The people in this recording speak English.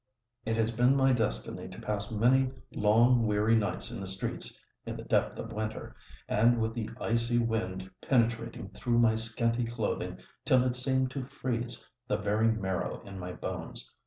"It has been my destiny to pass many long weary nights in the streets—in the depth of winter—and with the icy wind penetrating through my scanty clothing till it seemed to freeze the very marrow in my bones.